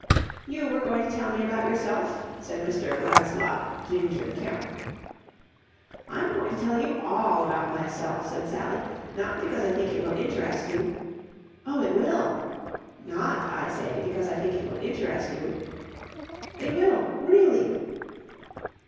"You were going to tell me about yourself?" said Mr. Lancelot (Ginger) Kemp. "I'm going to tell you all about myself," said Sally, "not because I think it will interest you..." "Oh, it will!" "Not, I say, because I think it will interest you..." "It will, really."